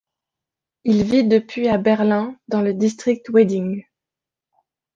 Il vit depuis à Berlin, dans le district Wedding.